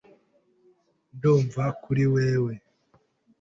Ndumva kuri wewe .